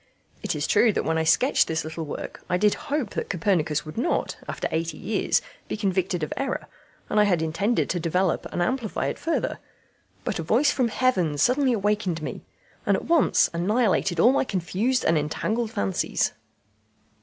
It is true that when I sketched this little work I did hope that Copernicus would not, after eighty years, be convicted of error; and I had intended to develop and amplify it further, but a voice from heaven suddenly awakened me, and at once annihilated all my confused and entangled fancies."